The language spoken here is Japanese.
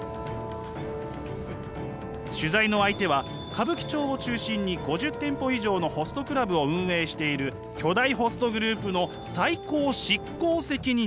取材の相手は歌舞伎町を中心に５０店舗以上のホストクラブを運営している巨大ホストグループの最高執行責任者。